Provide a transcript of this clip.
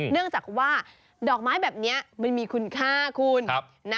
เนื่องจากว่าดอกไม้แบบนี้มันมีคุณค่าคุณ